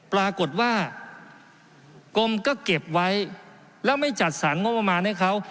ปรากฏว่ากรมก็เก็บไว้แล้วไม่จัดสรรงบประมาณให้เขา